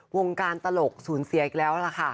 วงการตลกสูญเสียอีกแล้วล่ะค่ะ